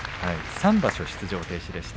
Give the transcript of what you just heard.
３場所、出場停止でした。